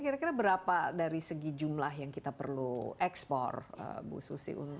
kira kira berapa dari segi jumlah yang kita perlu ekspor bu susi